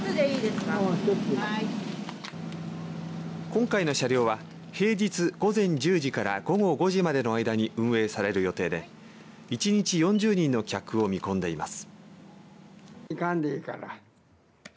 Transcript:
今回の車両は平日午前１０時から午後５時までの間に運営される予定で１日４０人の客を見込んでいます。